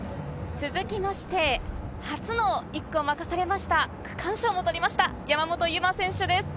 続いて初の１区を任された、区間賞も取りました、山本有真選手です。